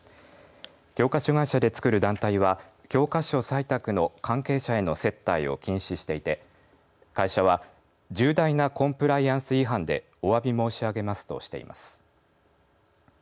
教科書会社でつくる団体は教科書採択の関係者への接待を禁止していて会社は重大なコンプライアンス違反でおわび申し上げますとしています。